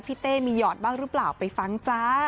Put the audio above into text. เต้มีหยอดบ้างหรือเปล่าไปฟังจ้า